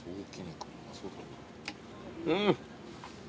うん。